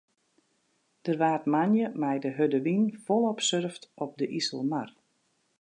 Der waard moandei mei de hurde wyn folop surft op de Iselmar.